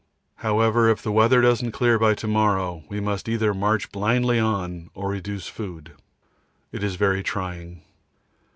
However, if the weather doesn't clear by to morrow, we must either march blindly on or reduce food. It is very trying.